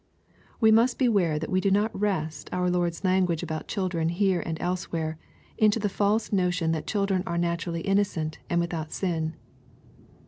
] We must beware that we do not wrest onj Lord's language about children here and elsewhere, into the false notion that ctSdren are naturally innocent, and without sin.